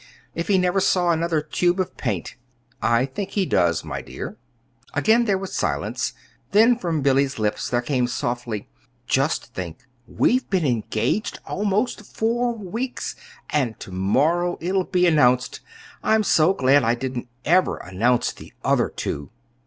_ if he never saw another tube of paint!" "I think he does, my dear." Again there was silence; then, from Billy's lips there came softly: "Just think; we've been engaged almost four weeks and to morrow it'll be announced. I'm so glad I didn't ever announce the other two!"